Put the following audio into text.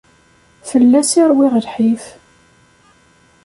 Fell-as i ṛwiɣ lḥif.